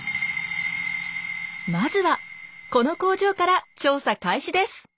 まずはこの工場から調査開始です。